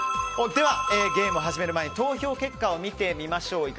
ゲームを始める前に投票結果を見てみましょう。